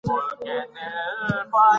ماشوم د دېوال یوې څنډې ته ولوېد.